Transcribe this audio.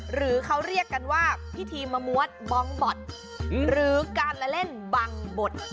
หรือเขาเรียกกันว่าพิธีมะมวดบองบอดหรือการละเล่นบังบด